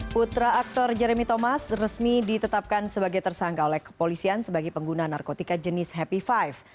putra aktor jeremy thomas resmi ditetapkan sebagai tersangka oleh kepolisian sebagai pengguna narkotika jenis happy five